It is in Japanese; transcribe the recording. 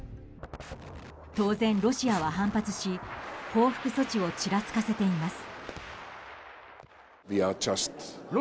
当然、ロシアは反発し報復措置をちらつかせています。